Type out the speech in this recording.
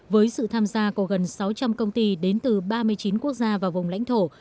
với sự tham gia của gần sáu trăm linh công ty đến từ ba mươi chín quốc gia và vùng lãnh thổ